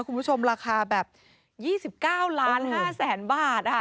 คุณผู้ชมราคาแบบ๒๙๕๐๐๐๐บาท